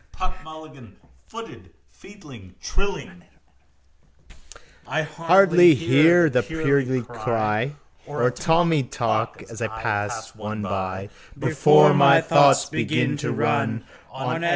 Puck Mulligan footed featly, trilling: I hardly hear the purlieu cry Or a Tommy talk as I pass one by Before my thoughts begin to run On F.